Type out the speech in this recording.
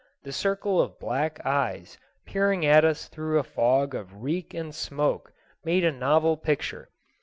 The circle of black eyes peering at us through a fog of reek and smoke made a novel picture.